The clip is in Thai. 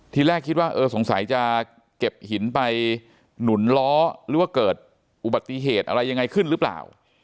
ทีแรกคิดว่าเออสงสัยจะเก็บหินไปหนุนล้อหรือว่าเกิดอุบัติเหตุอะไรยังไงขึ้นหรือเปล่า